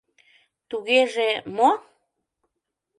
— Тугеже... мо?..